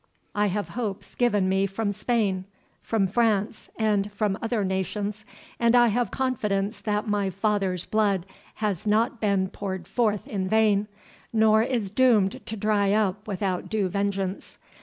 I have hopes given me from Spain, from France, and from other nations; and I have confidence that my father's blood has not been poured forth in vain, nor is doomed to dry up without due vengeance.